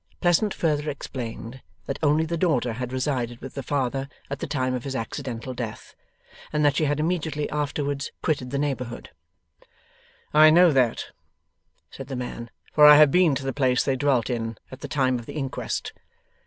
Pleasant further explained that only the daughter had resided with the father at the time of his accidental death, and that she had immediately afterwards quitted the neighbourhood. 'I know that,' said the man, 'for I have been to the place they dwelt in, at the time of the inquest.